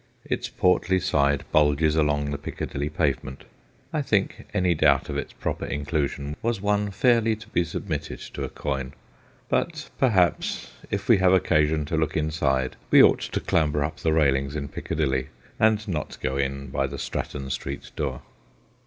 Its portly side bulges along the Piccadilly pavement. I think any doubt 206 THE GHOSTS OF PICCADILLY of its proper inclusion was one fairly to be submitted to a coin ; but perhaps if we have occasion to look inside, we ought to clamber up the railings in Piccadilly and not go in by the Stratton Street door.